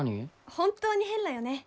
本当に変らよね。